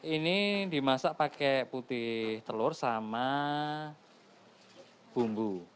ini dimasak pakai putih telur sama bumbu